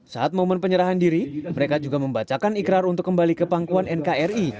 saat momen penyerahan diri mereka juga membacakan ikrar untuk kembali ke pangkuan nkri